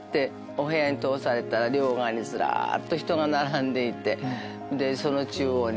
お部屋に通されたら両側にずらっと人が並んでいて。